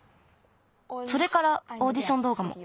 それからオーディションどうがも。